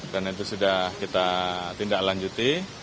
dan itu sudah kita tindak lanjuti